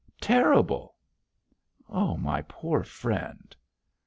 terrible!' 'My poor friend!'